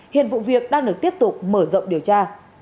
hiện vụ việc đang được tiếp tục mở rộng điều tra